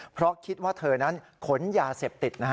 เพราะคิดว่าเธอนั้นขนยาเสพติดนะฮะ